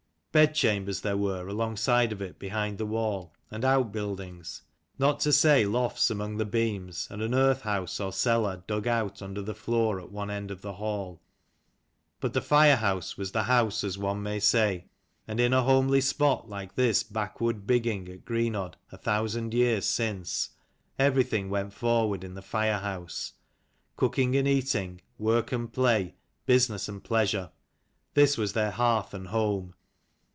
Bedchambers there were alongside of it behind the wall, and out buildings ; not to say lofts among the beams, and an earth house or cellar dug out under the floor at one end of the hall. But the fire house was the House, as one may say ; and in a homely spot like this backwood bigging at Greenodd a thousand years since, everything went forward in the firehouse ; cooking and eating, work and play, business and pleasure. This was their hearth and home.